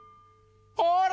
ほら！